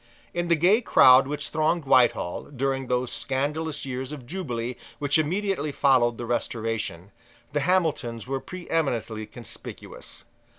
In the gay crowd which thronged Whitehall, during those scandalous years of jubilee which immediately followed the Restoration, the Hamiltons were preeminently conspicuous.